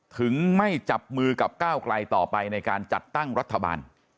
ถึงไม่จับมือกับก้าวไกลต่อไปในการจัดตั้งรัฐบาล